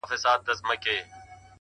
• نه پوهېږي چي چاره پوري حيران دي,